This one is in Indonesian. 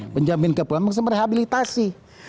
menjamin kepulangan maksudnya rehabilitasi